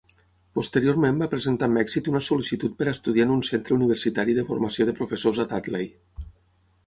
Posteriorment va presentar amb èxit una sol·licitud per estudiar en un centre universitari de formació de professors a Dudley.